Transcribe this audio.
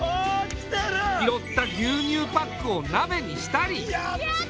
拾った牛乳パックを鍋にしたり。